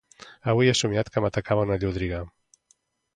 Avui he somiat que m'atacava una llúdriga.